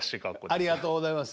ありがとうございます。